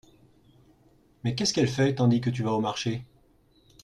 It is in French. Mais qu'est-ce qu'elle fait tandis que tu vas au marché ?